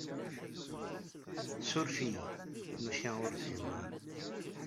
Ssuref-iyi, maca ur fhimeɣ ara.